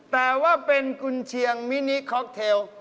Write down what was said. แต่ว่าเป็นกุญเชียงมินิคอกเทล